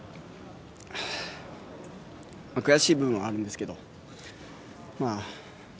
悔しい部分はあるんですけど。